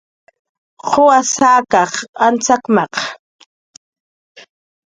"¿Quwas akaq antz ak""maqa? "